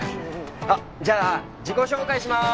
あっじゃあ自己紹介しまーす！